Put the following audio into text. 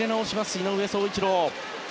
井上宗一郎。